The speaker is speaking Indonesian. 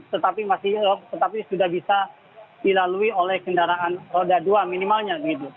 tetapi sudah bisa dilalui oleh kendaraan roda dua minimalnya